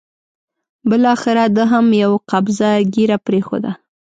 بالاخره ده هم یوه قبضه ږیره پرېښوده.